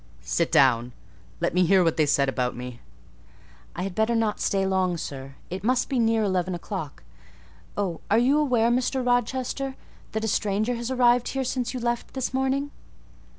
"Sit down!—Let me hear what they said about me." "I had better not stay long, sir; it must be near eleven o'clock. Oh, are you aware, Mr. Rochester, that a stranger has arrived here since you left this morning?"